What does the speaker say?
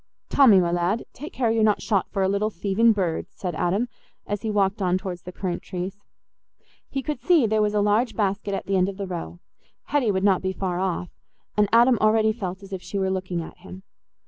"Tommy, my lad, take care you're not shot for a little thieving bird," said Adam, as he walked on towards the currant trees. He could see there was a large basket at the end of the row: Hetty would not be far off, and Adam already felt as if she were looking at him.